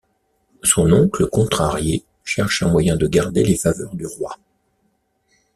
Son oncle, contrarié, cherche un moyen de garder les faveurs du roi.